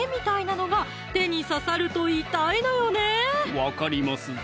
分かりますぞ